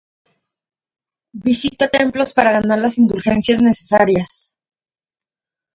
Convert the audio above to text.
Visita de templos para ganar las indulgencias necesarias.